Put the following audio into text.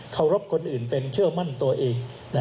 รบคนอื่นเป็นเชื่อมั่นตัวเอง